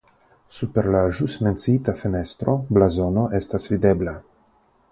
Super la ĵus menciita fenestro blazono estas videbla.